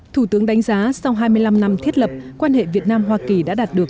thủ tướng đánh giá sau hai mươi năm năm thiết lập quan hệ việt nam hoa kỳ đã đạt được